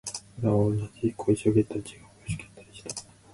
僕らは同じ小石を蹴ったり、違う小石を蹴ったりした